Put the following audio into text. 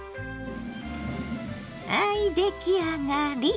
はい出来上がり！